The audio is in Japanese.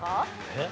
えっ？